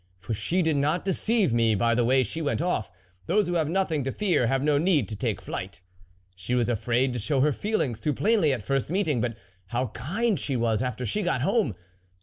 For she did not deceive me by the way she went off: those who have nothing to fear have no need to take flight. She was afraid to show her feelings too plainly at first meeting ; but how kind she was after she got home